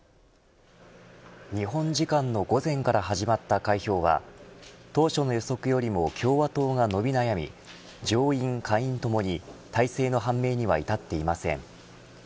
日本時間の午前から始まった開票は当初の予測よりも共和党が伸び悩み上院、下院ともに大勢の判明には至っていません。